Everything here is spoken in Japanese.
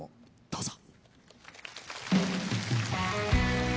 どうぞ。